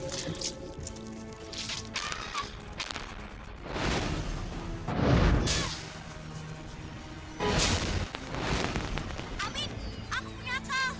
cepet kamu sebut